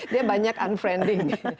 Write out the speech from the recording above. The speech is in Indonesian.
dia banyak unfriending